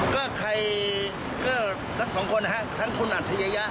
ก็ทั้งสองคนนะฮะทั้งคุณอัชริยะ